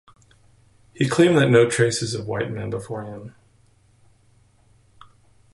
He claimed that no traces of white men before him.